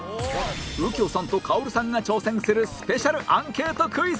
右京さんと薫さんが挑戦するスペシャルアンケートクイズも！